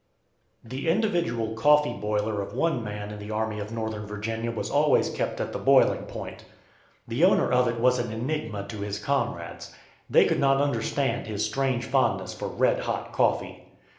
The individual coffee boiler of one man in the Army of Northern Virginia was always kept at the boiling point. The owner of it was an enigma to his comrades. They could not understand his strange fondness for "red hot" coffee.